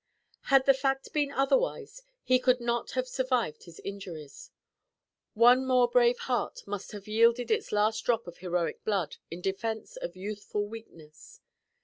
Had the fact been otherwise, he could not have survived his injuries. One more brave heart must have yielded its last drop of heroic blood in defence of youthful weakness.